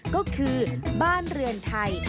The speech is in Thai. ก็คือบ้านเรือนไทย